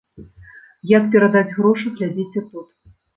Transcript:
Як перадаць грошы глядзіце тут.